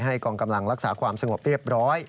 กองกำลังรักษาความสงบเรียบร้อย